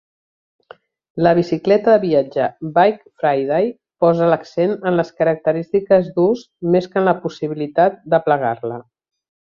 La bicicleta de viatge Bike Friday posa l'accent en les característiques d'ús més que en la possibilitat de plegar-la.